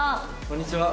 こんにちは。